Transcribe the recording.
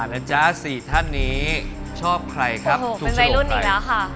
นะจ๊ะสี่ท่านนี้ชอบใครครับโอ้โหเป็นใบรุ่นอีกแล้วค่ะ